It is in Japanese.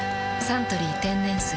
「サントリー天然水」